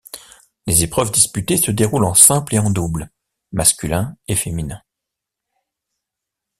Les épreuves disputées se déroulent en simple et en double, masculins et féminins.